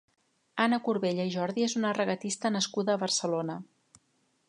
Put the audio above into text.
Anna Corbella i Jordi és una regatista nascuda a Barcelona.